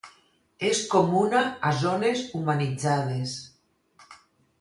És comuna a zones humanitzades.